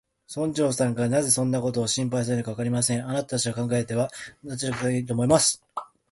村長さんがなぜそんなことを心配されるのか、わかりません。私の考えでは、あなたはしたいことをなさればいちばんいい、と思います。